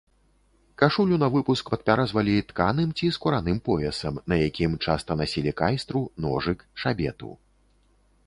Кашулю навыпуск падпяразвалі тканым ці скураным поясам, на якім часта насілі кайстру, ножык, шабету.